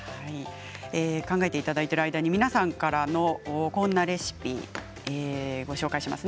考えていただいている間に皆さんからのこんなレシピご紹介します。